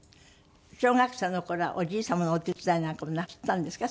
小学生の頃はおじい様のお手伝いなんかもなすったんですか？